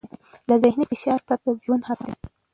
له ذهني فشار پرته ژوند اسان دی.